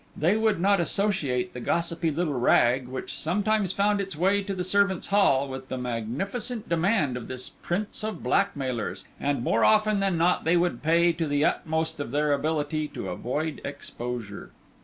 They would not associate the gossipy little rag, which sometimes found its way to the servants' hall, with the magnificent demand of this prince of blackmailers, and more often than not they would pay to the utmost of their ability to avoid exposure.